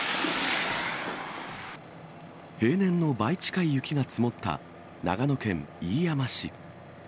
平年の倍近い雪が積もった、長野県飯山市。